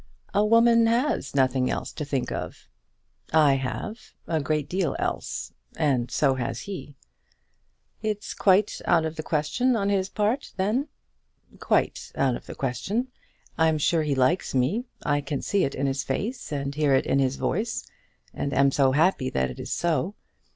"A woman has nothing else to think of." "I have, a great deal else. And so has he." "It's quite out of the question on his part, then?" "Quite out of the question. I'm sure he likes me. I can see it in his face, and hear it in his voice, and am so happy that it is so.